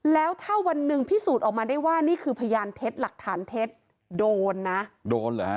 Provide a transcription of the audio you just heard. แล้วถ้าวันหนึ่งพิสูจน์ออกมาได้ว่านี่คือพยานเท็จหลักฐานเท็จโดนนะโดนเหรอฮะ